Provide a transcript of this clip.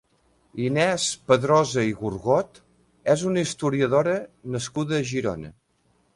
Inés Padrosa i Gorgot és una historiadora nascuda a Girona.